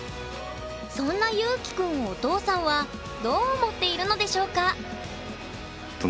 そんなＹｕｋｉくんをお父さんはどう思っているのでしょうか？